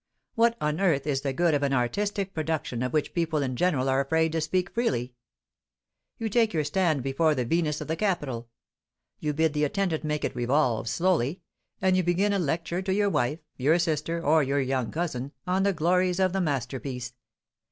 What on earth is the good of an artistic production of which people in general are afraid to speak freely? You take your stand before the Venus of the Capitol; you bid the attendant make it revolve slowly, and you begin a lecture to your wife, your sister, or your young cousin, on the glories of the masterpiece.